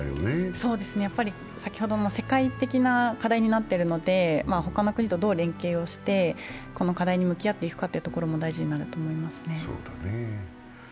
そうですね、世界的な課題になっているので、他の国とどう連携してこの課題に向き合っていくかというところも大事になると思いますね。